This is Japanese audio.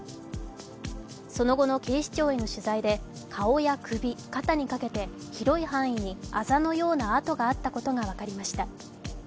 その後の警視庁への取材で顔や首、肩にかけて広い範囲にあざのような痕があったことが分かりました。